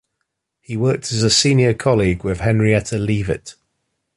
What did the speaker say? He worked as a senior colleague with Henrietta Leavitt.